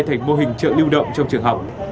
thành mô hình chợ lưu động trong trường học